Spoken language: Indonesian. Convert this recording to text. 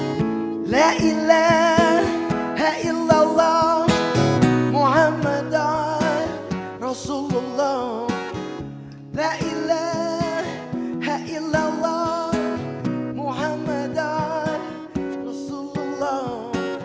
rashulullah laillah haillallah muhammadah rasulullah laillah haillallah muhammadah rasulullah